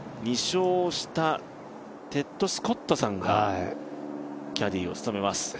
２勝したテッド・スコットさんがキャディーを務めます。